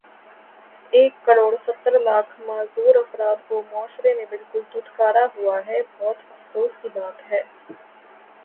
ایک کڑوڑ ستر لاکھ معذور افراد کو معاشرے نے بلکل دھتکارا ہوا ہے بہت افسوس کی بات ہے